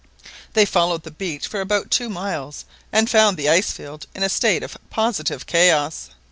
They followed the beach for about two miles, and found the ice field in a state of positive chaos.